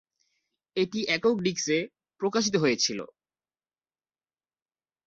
এটি একক ডিস্ক এ প্রকাশিত হয়েছিলো।